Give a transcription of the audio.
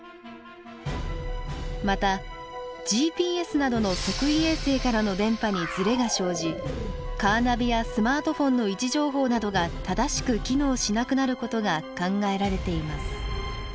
またＧＰＳなどの測位衛星からの電波にズレが生じカーナビやスマートフォンの位置情報などが正しく機能しなくなることが考えられています。